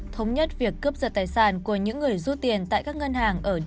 thống nhất việc cướp giật tài sản của những người ru tiền tại các ngân hàng